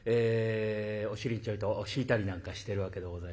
お尻にちょいと敷いたりなんかしてるわけでございます。